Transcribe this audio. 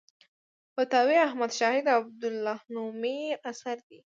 فتاوی احمدشاهي د عبدالله نومي اثر دی.